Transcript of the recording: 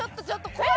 怖い！